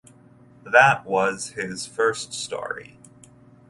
That was his first story.